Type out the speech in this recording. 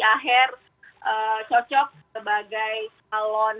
yang ahy ernya cocok sebagai calon